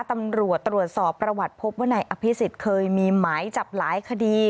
ตำรวจตรวจสอบประวัติพบว่านายอภิษฎเคยมีหมายจับหลายคดี